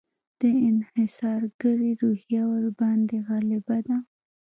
د انحصارګري روحیه ورباندې غالبه ده.